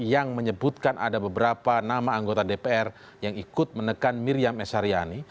yang menyebutkan ada beberapa nama anggota dpr yang ikut menekan miriam s haryani